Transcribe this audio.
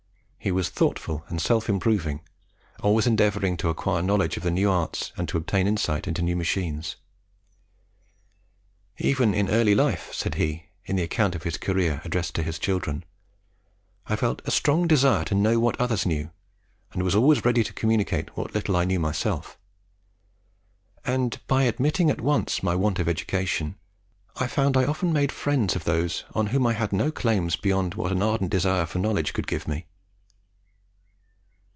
He was thoughtful and self improving, always endeavouring to acquire knowledge of new arts and to obtain insight into new machines. "Even in early life," said he, in the account of his career addressed to his children, "I felt a strong desire to know what others knew, and was always ready to communicate what little I knew myself; and by admitting at once my want of education, I found that I often made friends of those on whom I had no claims beyond what an ardent desire for knowledge could give me."